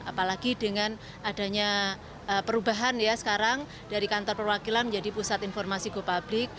apalagi dengan adanya perubahan ya sekarang dari kantor perwakilan menjadi pusat informasi gopublic